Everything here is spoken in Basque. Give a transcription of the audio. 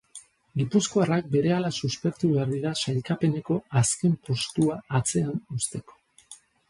Gipuzkoarrak berehala suspertu behar dira sailkapeneko azken postua atzean uzteko.